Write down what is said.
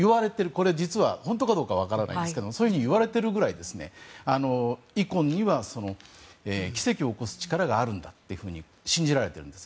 これ、実は本当かどうかわからないんですがそういうふうに言われているぐらいイコンには奇跡を起こす力があるんだと信じられているんです。